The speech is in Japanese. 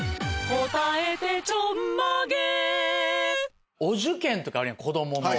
「答えてちょんまげ」